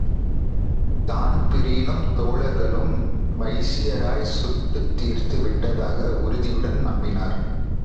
தான்பிரீனும் தோழர்களும் வைசிராயைச் சுட்டுத்தீர்த்து விட்டதாக உறுதியுடன் நம்பினர்.